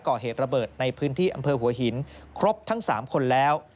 ก่อเหตุระเบิดในพื้นที่อำเภอหัวหินครบทั้ง๓คนแล้ว